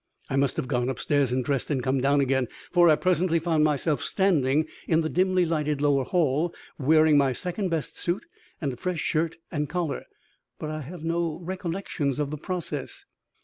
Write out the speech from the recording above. I must have gone upstairs and dressed and come down again, for I presently found myself standing in the dimly lighted lower hall wearing my second best suit and a fresh shirt and collar. But I have no recollections of the process.